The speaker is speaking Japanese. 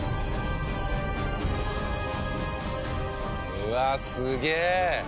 うわっすげえ！